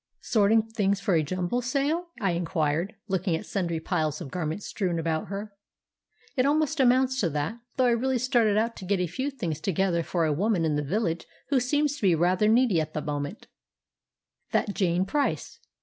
"Sorting things for a jumble sale?" I inquired, looking at sundry piles of garments strewn about her. "It almost amounts to that; though I really started out to get a few things together for a woman in the village who seems to be rather needy at the moment, that Jane Price.